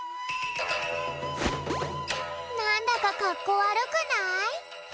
なんだかかっこわるくない？